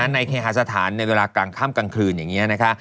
ในเคหาสถานในเวลากลางค่ำกลางคืนอย่างนี้นะคะ